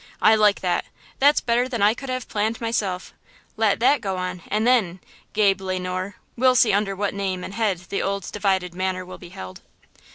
I like that; that's better than I could have planned myself; let that go on, and then, Gabe Le Noir, we'll see under what name and head the old divided manor will be held!"